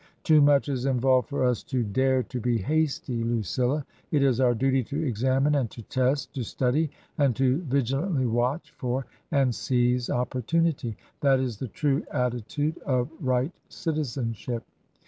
"Too much is involved for us to dare to be hasty, Lucilla ! It is our duty to examine and to test, to study and to vigilantly watch for and seize opportunity. That is the true attitude of right citizenship."